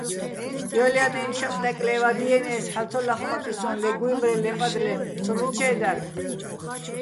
ჲოლ ჲანაჲნო̆ შატ დაკლე́ვადიენე́ს, ჰ̦ალო̆ ცო ლახმაკი სოჼ, ლე გუჲმრე, ლე პადლე - ცომიჩე́ დარ.